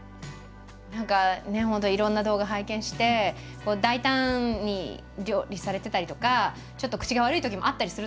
何かねいろんな動画拝見して大胆に料理されてたりとかちょっと口が悪いときもあったりすると思うんですけど。